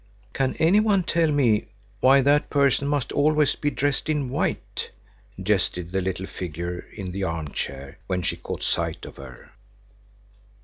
"Can any one tell me why that person must always be dressed in white?" jested the little figure in the arm chair when she caught sight of her.